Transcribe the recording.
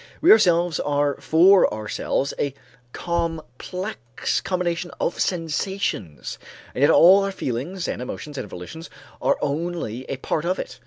We ourselves are for ourselves a complex combination of sensations; and yet all our feelings and emotions and volitions are only a part of it.